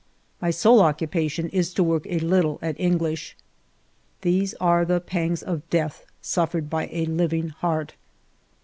My sole occupation is to work a little at English. These are the pangs of death suffered by a living heart